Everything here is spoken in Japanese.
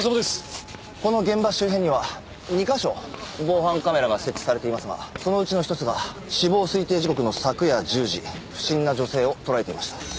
この現場周辺には２カ所防犯カメラが設置されていますがそのうちの一つが死亡推定時刻の昨夜１０時不審な女性を捉えていました。